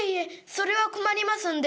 それは困りますんで」。